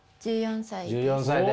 １４歳です。